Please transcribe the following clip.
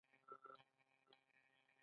آیا موږ صابران یو؟